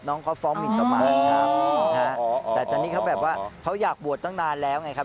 น้องเขาฟ้องหมินประมาณครับนะฮะแต่ตอนนี้เขาแบบว่าเขาอยากบวชตั้งนานแล้วไงครับ